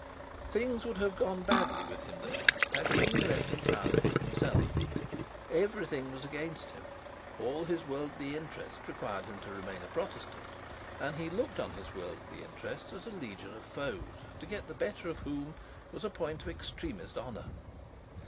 Things would have gone badly with him there had he been left entirely to himself. Every thing was against him: all his worldly interests required him to remain a Protestant; and he looked on his worldly interests as a legion of foes, to get the better of whom was a point of extremest honour.